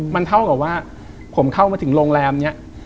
มันเท่ากับว่าผมเข้ามาถึงโรงแรมนี้